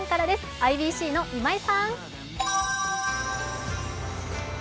ＩＢＣの今井さん。